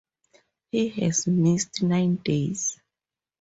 He has missed nine days.